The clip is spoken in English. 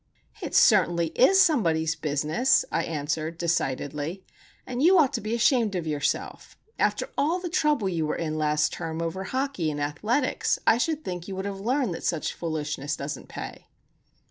"It certainly is somebody's business," I answered, decidedly. "And you ought to be ashamed of yourself. After all the trouble you were in last term over hockey and athletics, I should think you would have learned that such foolishness doesn't pay."